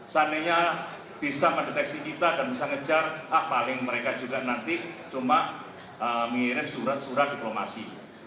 seandainya bisa mendeteksi kita dan bisa ngejar ah paling mereka juga nanti cuma mengirim surat surat diplomasi